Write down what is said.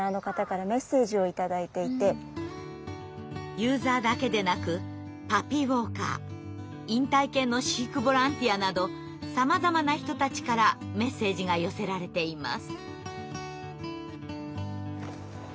ユーザーだけでなくパピーウォーカー引退犬の飼育ボランティアなどさまざまな人たちからメッセージが寄せられています。